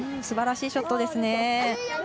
すばらしいショットですね。